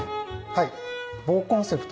はい。